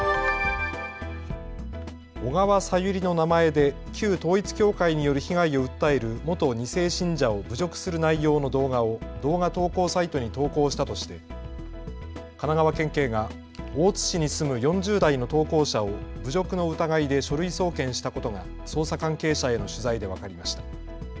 小川さゆりの名前で旧統一教会による被害を訴える元２世信者を侮辱する内容の動画を動画投稿サイトに投稿したとして神奈川県警が大津市に住む４０代の投稿者を侮辱の疑いで書類送検したことが捜査関係者への取材で分かりました。